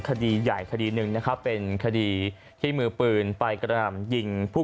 คดีใหญ่คดีหนึ่งนะครับเป็นคดีที่มือปืนไปกระหน่ำยิงผู้